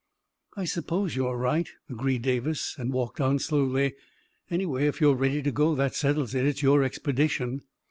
" I suppose you are right," agreed Davis, and walked on slowly. " Anyway, if you are ready to go, that settles it. It's your expedition."